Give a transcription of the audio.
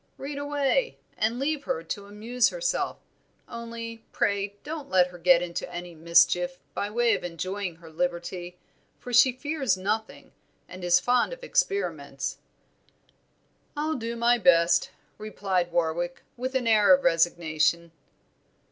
Read away, and leave her to amuse herself; only pray don't let her get into any mischief by way of enjoying her liberty, for she fears nothing and is fond of experiments." "I'll do my best," replied Warwick, with an air of resignation.